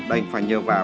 đành phải nhờ vào